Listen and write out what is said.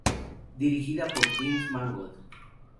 Dirigida por James Mangold.